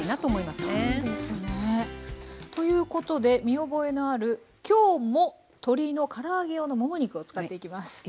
はあそうなんですね！ということで見覚えのある今日も鶏のから揚げ用のもも肉を使っていきます。